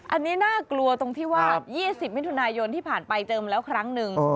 อันนี้น่ากลัวตรงที่ว่า๒๐มิถุนายนที่ผ่านไปเจอมาแล้วครั้งหนึ่ง